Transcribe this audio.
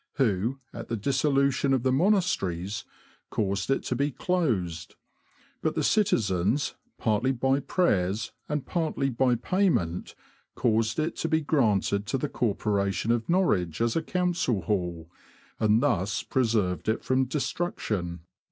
who, at the dissolution of the monasteries, caused it to be closed ; but the citizens, partly by prayers and partly by payment, caused it to be granted to the Cor poration of Norwich as a Council Hall, and thus pre served it from destruction.